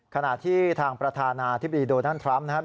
ขณะที่ทางประธานาที่เป็นโดนันทรัมป์